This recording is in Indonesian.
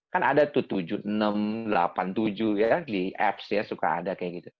kan ada tuh tujuh enam delapan tujuh ya di apps ya suka ada kayak gitu